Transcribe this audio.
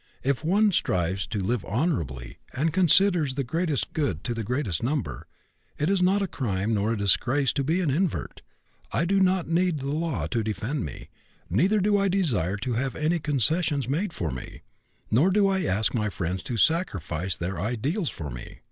If one strives to live honorably, and considers the greatest good to the greatest number, it is not a crime nor a disgrace to be an invert. I do not need the law to defend me, neither do I desire to have any concessions made for me, nor do I ask my friends to sacrifice their ideals for me.